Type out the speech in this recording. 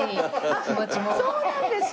そうなんですか！